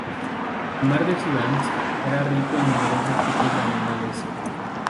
El mar de Sundance era rico en numerosos tipos de animales.